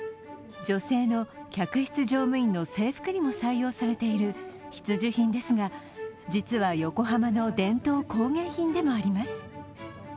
女性の客室乗務員の制服にも採用されている必需品ですが、実は横浜の伝統工芸品でもあります。